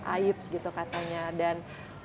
aib gitu katanya dan